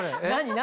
何？